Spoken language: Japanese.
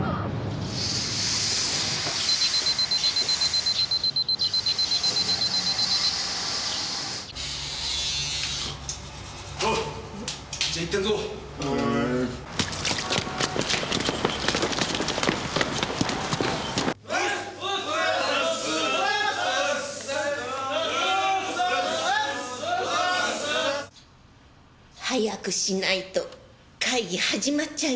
早くしないと会議始まっちゃいますよ。